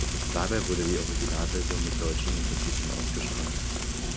Dabei wurde die Originalversion mit deutschen Untertiteln ausgestrahlt.